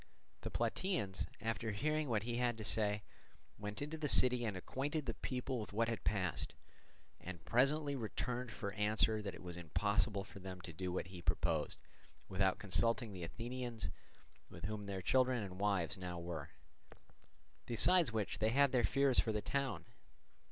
The Plataeans, after hearing what he had to say, went into the city and acquainted the people with what had passed, and presently returned for answer that it was impossible for them to do what he proposed without consulting the Athenians, with whom their children and wives now were; besides which they had their fears for the town.